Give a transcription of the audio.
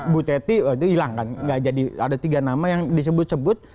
bu teti itu hilang kan nggak jadi ada tiga nama yang disebut sebut